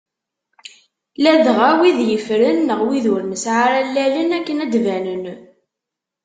Ladɣa wid yeffren, neɣ wid ur nesɛi ara allalen akken ad d-banen.